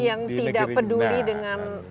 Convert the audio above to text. yang tidak peduli dengan